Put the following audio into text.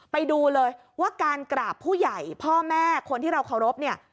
ไปดูเลยว่าการกราบผู้ใหญ่พ่อแม่คนที่เราเคารพเนี่ย